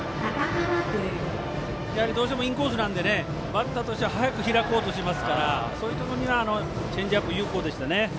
やはりどうしてもインコースなんでバッターとしては早く開こうとしますからそういうところにはチェンジアップ有効ですね。